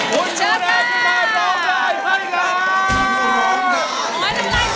คุณหนูนาที่มาต้องการให้ค่ะ